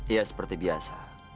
ya seperti biasa